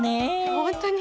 ほんとに？